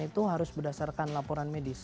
itu harus berdasarkan laporan medis